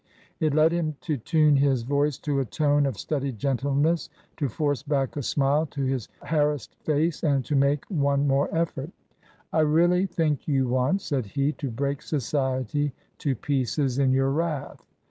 It led him to tune his voice to a tone of studied gentleness, to force back a smile to his harassed face, and to make one more effort " I really think you want," said he, " to break Society to pieces in your wrath.